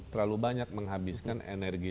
terlalu banyak menghabiskan energi